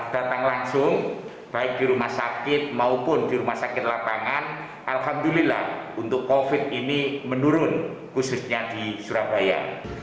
datang langsung baik di rumah sakit maupun di rumah sakit lapangan alhamdulillah untuk covid ini menurun khususnya di surabaya